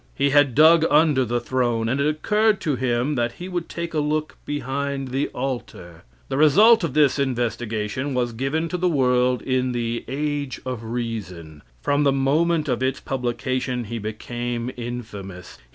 He had dug under the throne, and it occurred to him that he would take a look behind the altar. The result of this investigation was given to the world in the "Age of Reason." From the moment of its publication he became infamous.